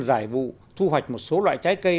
giải vụ thu hoạch một số loại trái cây